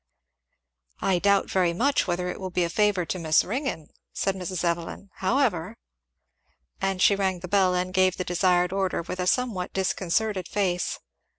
"I doubt very much whether it will be a favour to Miss Ringgan," said Mrs. Evelyn, "however " And she rang the bell and gave the desired order, with a somewhat disconcerted face.